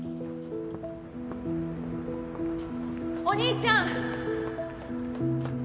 お兄ちゃん。